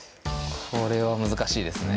これは難しいですね